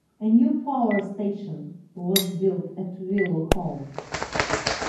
A new power station was built at Willow Holme.